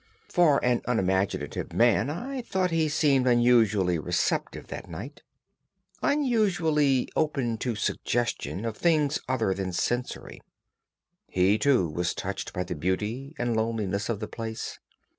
For an unimaginative man I thought he seemed unusually receptive that night, unusually open to suggestion of things other than sensory. He too was touched by the beauty and loneliness of the place.